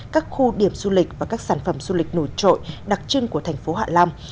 các khu điểm du lịch và các sản phẩm du lịch nổi trội đặc trưng của tp hạ lâm